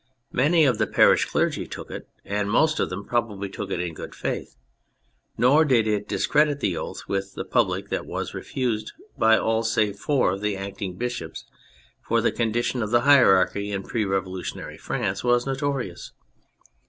Many of the parish clergy took it, and most of them probably took it in good faith : nor did it discredit the oath with the public that it was refused by all save four of the acting bishops, for the condition of the hierarchy in pre revolutionary France was notorious.